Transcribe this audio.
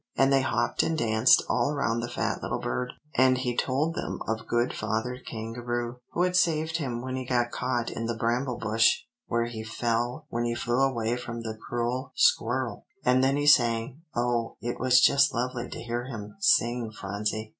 And they hopped and danced all around the fat little bird; and he told them of good Father Kangaroo, who had saved him when he got caught in the bramble bush, where he fell when he flew away from the cruel squirrel; and then he sang oh, it was just lovely to hear him sing, Phronsie."